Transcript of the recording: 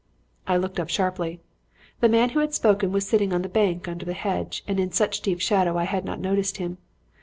"I looked up sharply. The man who had spoken was sitting on the bank under the hedge and in such deep shadow that I had not noticed him.